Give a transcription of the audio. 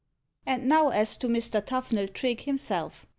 And now as to Mr. Tuffnell Trigge himself.